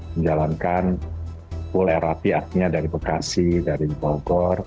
menjalankan pool lrt artinya dari bekasi dari bogor